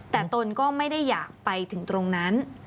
แต่ตนก็ไม่ได้อยากไปถึงตรงนั้น